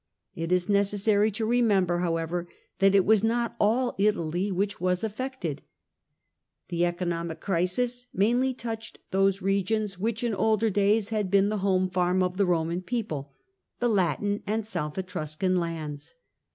It is necessary to remember, however, that it was not all Italy which was affected. The economic crisis mainly touched those regions which in older days had been the home farm of the Roman people — the Latin and South Etruscan lands.